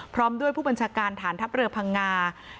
พร้อมด้วยผู้บัญชาการฐานทัพเรือพังงา